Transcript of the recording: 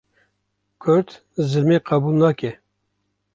Kurd zilmê qebûl nake